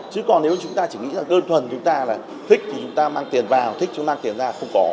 chứ còn nếu mà chúng ta chỉ nghĩ là đơn thuần chúng ta là thích thì chúng ta mang tiền vào thích chúng mang tiền ra không có